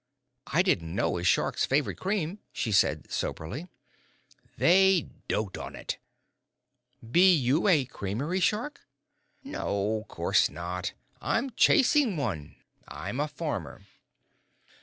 "I didn't know as sharks favoured cream," she said, soberly. "They dote on it." "Be you a creamery shark?" "No course not. I'm chasing one. I'm a farmer."